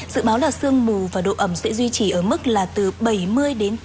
dự báo là sương mù và độ ẩm sẽ duy trì ở mức là từ bảy mươi đến tám mươi